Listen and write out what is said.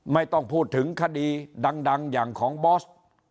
ไม่ต้องพูดถึงคดีดังอย่างของบอส